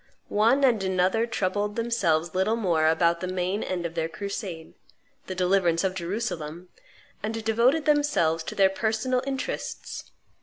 One and another troubled themselves little more about the main end of their crusade, the deliverance of Jerusalem, and devoted themselves to their personal interests.